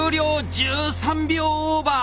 １３秒オーバー！